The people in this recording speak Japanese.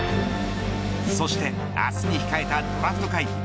そして明日に控えたドラフト会議